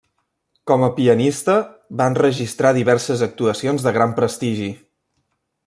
Com a pianista, va enregistrar diverses actuacions de gran prestigi.